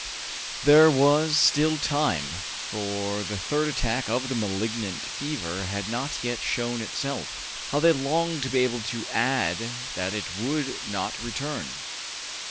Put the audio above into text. There was still time, for the third attack of the malignant fever had not yet shown itself. How they longed to be able to add that it would not return!